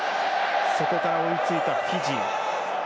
そこから追いついたフィジー。